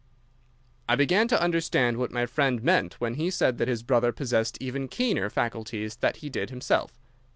I began to understand what my friend meant when he said that his brother possessed even keener faculties that he did himself.